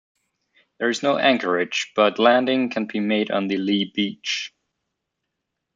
There is no anchorage, but landing can be made on the lee beach.